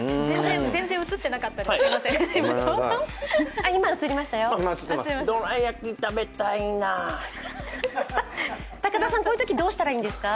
全然、映ってなかったです。